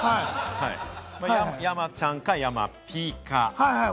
山ちゃんか、山Ｐか。